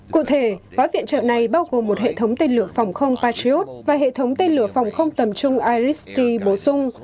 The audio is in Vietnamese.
cụ thể gói viện trợ này bao gồm một hệ thống tên lửa phòng không patriot và hệ thống tên lửa phòng không tầm trung irisky bổ sung